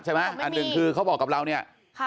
อันหนึ่งคือเขาบอกกับเราเนี่ย